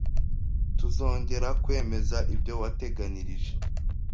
Tuzongera kwemeza ibyo wateganyirije.